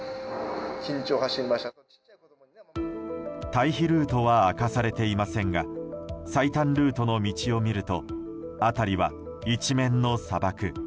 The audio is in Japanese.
退避ルートは明かされていませんが最短ルートの道を見ると辺りは一面の砂漠。